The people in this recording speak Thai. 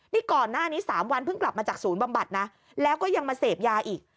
นี่ก่อนหน้านี้๓วันเพิ่งกลับมาจากศูนย์บำบัดนะแล้วก็ยังมาเสพยาอีก